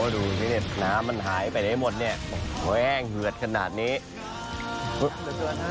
ดูสิเนี่ยน้ำมันหายไปไหนหมดเนี่ยแห้งเหือดขนาดนี้